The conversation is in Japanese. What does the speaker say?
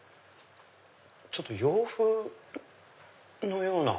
ちょっと洋風のような。